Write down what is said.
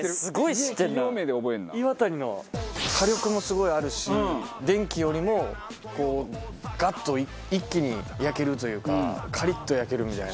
火力もすごいあるし電気よりもガッと一気に焼けるというかカリッと焼けるみたいな。